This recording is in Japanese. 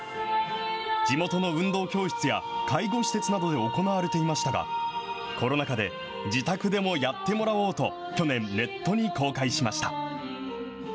地元の運動教室や介護施設などで行われていましたが、コロナ禍で、自宅でもやってもらおうと、去年、ネットに公開しました。